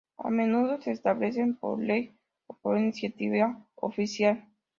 A menudo se establecen por ley o por iniciativa oficial.